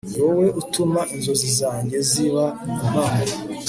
niwowe utuma inzozi zanjye ziba impamo